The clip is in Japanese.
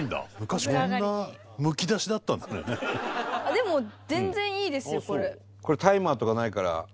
でも全然いいですよこれ。